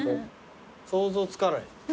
想像つかない。